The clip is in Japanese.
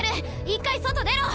一回外出ろ。